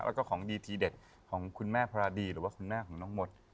แล้วก็ของดีทีเด็ดของคุณแม่พระราดีหรือว่าคุณแม่ของน้องมด